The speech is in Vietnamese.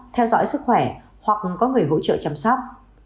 theo dõi sức khỏe hoặc có người hỗ trợ chăm sóc